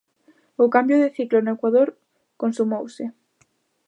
O cambio de ciclo no Ecuador consumouse.